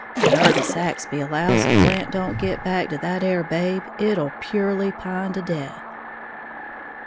Minervy Saxby allows if Blant don't git back to that 'ere babe, it'll purely pine to death."